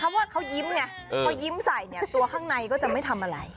ว่าเขายิ้มไงพอยิ้มใส่เนี่ยตัวข้างในก็จะไม่ทำอะไร